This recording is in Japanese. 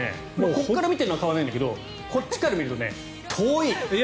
ここから見てると変わらないけどこっちから見ると遠い。